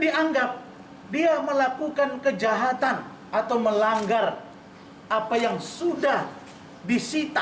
dianggap dia melakukan kejahatan atau melanggar apa yang sudah disita